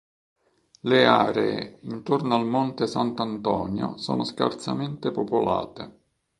Le aree intorno al Monte Sant'Antonio sono scarsamente popolate.